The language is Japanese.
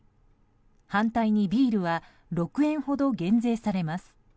反対にビールは６円ほど減税されます。